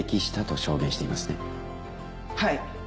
はい。